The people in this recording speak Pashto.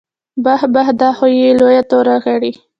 بح بح دا خو يې لويه توره کړې.